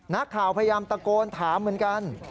นักข่าวพยายามตะโกนถามเหมือนกัน